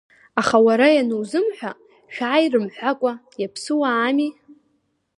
Аха уара ианузымҳәа, шәааи рымҳәакәа иаԥсуаами.